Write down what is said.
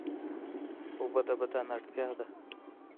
اوبه د بدن اړتیا ده